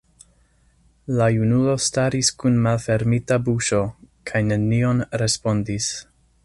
La junulo staris kun malfermita buŝo kaj nenion respondis.